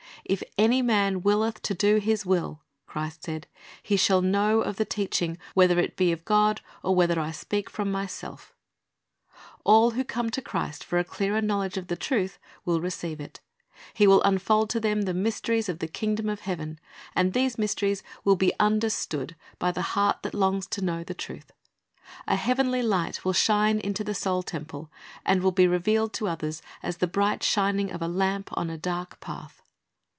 "If any man willeth to do His will," Christ said, "he shall know of the teaching, whether it be of God, or whether I speak from Myself" ^ All who come to Christ for a clearer knowledge of the truth, will receive it. He will unfold to them the mysteries of the kingdom of heaven, and these mysteries will be understood by the heart that longs to know the truth. A heavenly light will shine into the soul temple, and will be revealed to others as the bright shining of a lamp on a dark path.